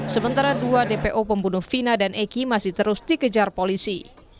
sementara dua dpo pembunuh vina dan eki masih terus dikejar polisi